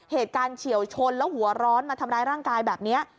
เฉียวชนแล้วหัวร้อนมาทำร้ายร่างกายแบบนี้